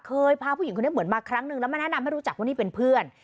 พาผู้หญิงคนนี้เหมือนมาครั้งนึงแล้วมาแนะนำให้รู้จักว่านี่เป็นเพื่อน